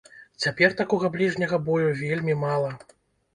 Цяпер такога бліжняга бою вельмі мала.